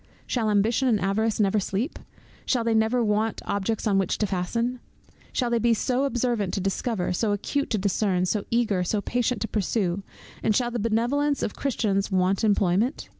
Shall Ambition and Avarice never sleep? Shall they never want objects on which to fasten? Shall they be so observant to discover, so acute to discern, so eager, so patient to pursue, and shall the Benevolence of Christians want employment?